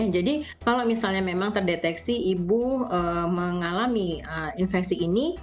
jadi kalau misalnya memang terdeteksi ibu mengalami infeksi ini